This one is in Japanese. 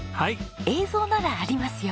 映像ならありますよ。